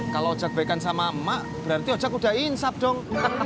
kalau ojak baikan sama mak berarti ojak udah insap dong